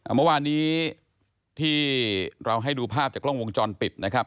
เมื่อวานนี้ที่เราให้ดูภาพจากกล้องวงจรปิดนะครับ